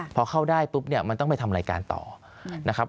พอเข้าได้ปุ๊บเนี่ยมันต้องไปทำรายการต่อนะครับ